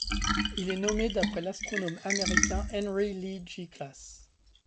Il est nommé d'après l'astronome américain Henry Lee Giclas.